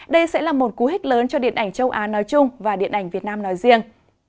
đây sẽ là một cú hích lớn cho điện ảnh châu á nói chung và điện ảnh việt nam nói riêng